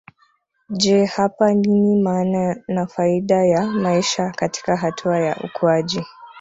Je hapa nini maana na faida ya maisha katika hatua ya ukuaji